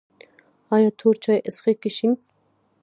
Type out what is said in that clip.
ایا تور چای څښئ که شین؟